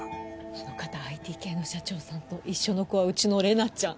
あの方ＩＴ系の社長さんと一緒の子はうちのレナちゃん。